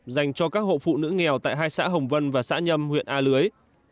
dành cho các hộ phụ nữ nghèo tại hai xã hồng vân và xã nhâm huyện a lưới